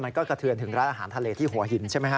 กระเทือนถึงร้านอาหารทะเลที่หัวหินใช่ไหมฮ